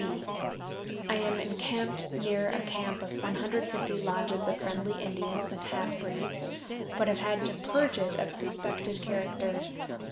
B. I am encamped near a camp of 150 lodges of friendly Indians and half breeds, but have had to purge it of suspected characters.